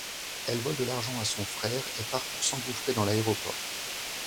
Elle vole de l'argent à son frère et part pour s'engouffrer dans l'aéroport.